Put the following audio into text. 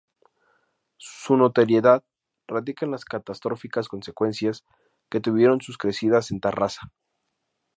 Su notoriedad radica en las catastróficas consecuencias que tuvieron sus crecidas en Tarrasa.